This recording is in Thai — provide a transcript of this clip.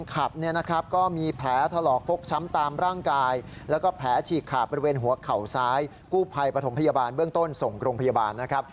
ขาบบริเวณหัวเขาซ้ายกูภัยปฐมพยาบาลเบื้องต้นส่งโรงพยาบาลนะครับ